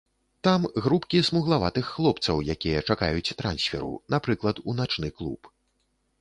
Там групкі смуглаватых хлопцаў, якія чакаюць трансферу, напрыклад, у начны клуб.